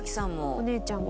お姉ちゃんも。